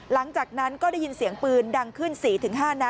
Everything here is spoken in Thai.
หลังจากนั้นก็ได้ยินเสียงปืนดังขึ้น๔๕นัด